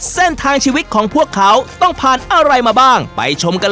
เส้นทางชีวิตของพวกเขาต้องผ่านอะไรมาบ้างไปชมกันเลย